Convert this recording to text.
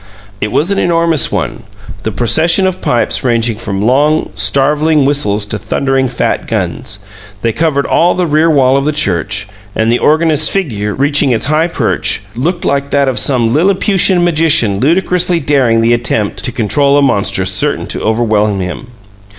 It was an enormous one, the procession of pipes ranging from long, starveling whistles to thundering fat guns; they covered all the rear wall of the church, and the organist's figure, reaching its high perch, looked like that of some Lilliputian magician ludicrously daring the attempt to control a monster certain to overwhelm him.